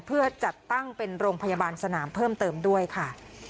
เพื่อจัดตั้งเป็นโรงพยาบาลสนามเพิ่มเติมด้วยค่ะ